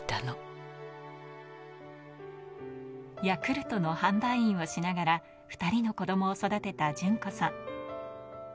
ヤクルトの販売員をしながら２人の子供を育てた順子さん。